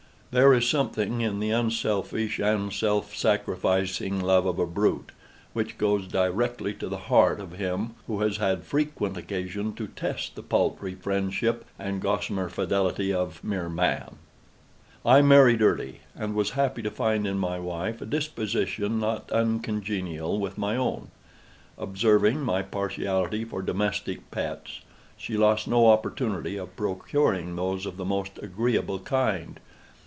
There is something in the unselfish and self sacrificing love of a brute, which goes directly to the heart of him who has had frequent occasion to test the paltry friendship and gossamer fidelity of mere Man. I married early, and was happy to find in my wife a disposition not uncongenial with my own. Observing my partiality for domestic pets, she lost no opportunity of procuring those of the most agreeable kind.